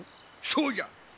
そうじゃ。